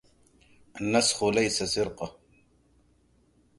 النسخ ليس سرقة.